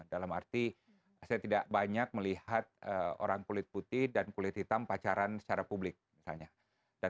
dalam arti saya tidak banyak melihat orang kulit putih dan kulit hitam pacaran secara publik misalnya dan